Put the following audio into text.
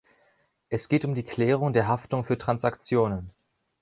Es geht um die Klärung der Haftung für Transaktionen.